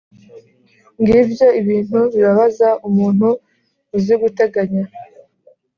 Ngibyo ibintu bibabaza umuntu uzi guteganya: